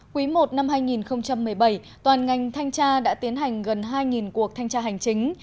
quý i năm hai nghìn một mươi bảy toàn ngành thanh tra đã tiến hành gần hai cuộc thanh tra hành chính